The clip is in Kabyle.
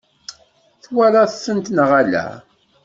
Twalaḍ-tent neɣ ala?